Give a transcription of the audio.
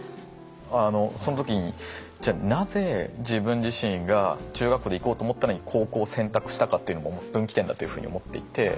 その時にじゃあなぜ自分自身が中学校で行こうと思ったのに高校を選択したかっていうのも分岐点だというふうに思っていて。